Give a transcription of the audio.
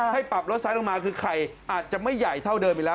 ปรับลดไซส์ลงมาคือไข่อาจจะไม่ใหญ่เท่าเดิมอีกแล้ว